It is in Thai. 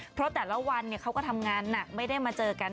เพราะแต่ละวันเขาก็ทำงานหนักไม่ได้มาเจอกัน